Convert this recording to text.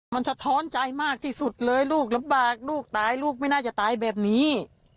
มันสะท้อนใจมากที่สุดเลยลูกลำบากลูกตายลูกไม่น่าจะตายแบบนี้